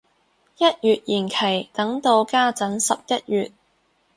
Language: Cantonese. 一月延期等到家陣十一月